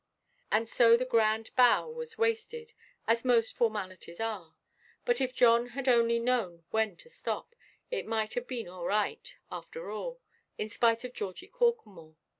And so the grand bow was wasted, as most formalities are: but if John had only known when to stop, it might have been all right after all, in spite of Georgie Corklemore.